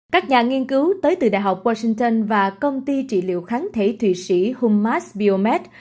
các nhà nghiên cứu tới từ đại học washington và công ty trị liệu kháng thể thụy sĩ hummas biomed